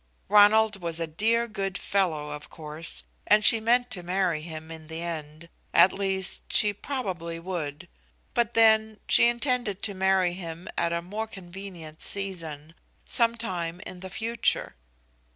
Ronald was a dear good fellow, of course, and she meant to marry him in the end at least, she probably would. But then, she intended to marry him at a more convenient season, some time in the future.